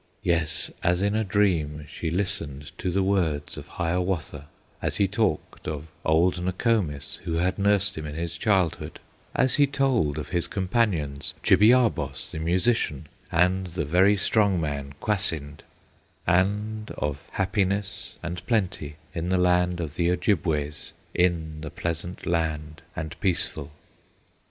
Yes, as in a dream she listened To the words of Hiawatha, As he talked of old Nokomis, Who had nursed him in his childhood, As he told of his companions, Chibiabos, the musician, And the very strong man, Kwasind, And of happiness and plenty In the land of the Ojibways, In the pleasant land and peaceful.